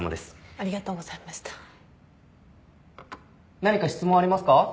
何か質問ありますか？